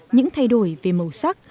những thay đổi về màu sắc